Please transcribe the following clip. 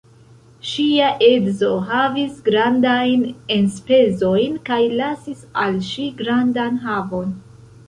Ŝia edzo havis grandajn enspezojn kaj lasis al ŝi grandan havon.